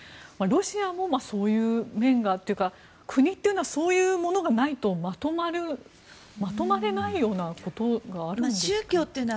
ロシアもそういう面がというか国というのはそういうものがないとまとまれないようなことがあるんでしょうか。